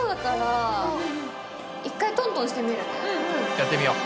やってみよう。